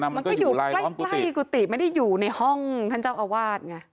มันก็อยู่ใกล้กุฏิไม่ได้อยู่ในห้องท่านเจ้าอาวาสไง